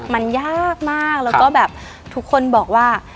มันยากมากแล้วก็แบบทุกคนบอกว่า